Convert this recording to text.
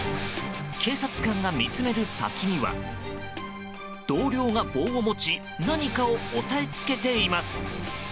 警察官が見つめる先には同僚が棒を持ち何かを押さえつけています。